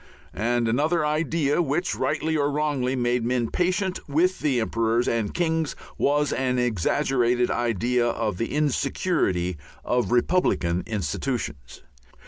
And another idea which, rightly or wrongly, made men patient with the emperors and kings was an exaggerated idea of the insecurity of republican institutions.